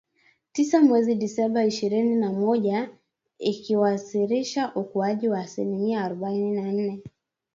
tisa mwezi Disemba ishirini na moja ikiwasilisha ukuaji wa asilimia arubaini na nne